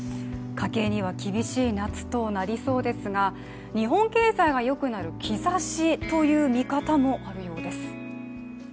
家計には厳しい夏となりそうですが日本経済がよくなる兆しという見方もあるようです。